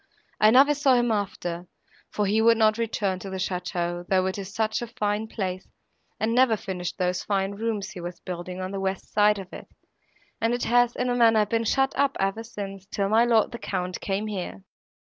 I never saw him after, for he would not return to the château, though it is such a fine place, and never finished those fine rooms he was building on the west side of it, and it has, in a manner, been shut up ever since, till my lord the Count came here."